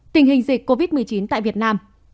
tình hình dịch covid một mươi chín tại việt nam